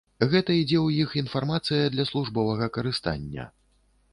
Гэта ідзе ў іх інфармацыя для службовага карыстання.